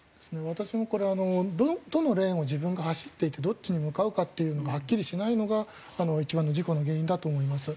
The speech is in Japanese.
私もこれどのレーンを自分が走っていてどっちに向かうかっていうのがはっきりしないのが一番の事故の原因だと思います。